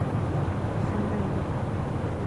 خندا یې وکړه.